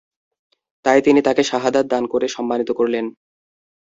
তাই তিনি তাঁকে শাহাদাত দান করে সম্মানিত করলেন।